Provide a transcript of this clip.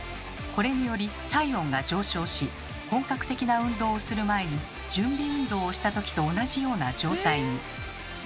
これにより体温が上昇し本格的な運動をする前に準備運動をしたときと同じような状態に。